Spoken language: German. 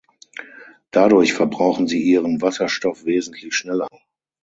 Dadurch verbrauchen sie ihren Wasserstoff wesentlich schneller.